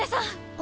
あ？